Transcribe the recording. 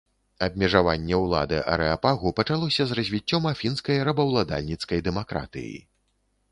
Абмежаванне ўлады арэапагу пачалося з развіццём афінскай рабаўладальніцкай дэмакратыі.